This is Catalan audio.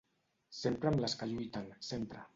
Sempre amb les que lluiten, sempre.